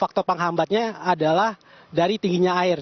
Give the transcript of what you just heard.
faktor penghambatnya adalah dari tingginya air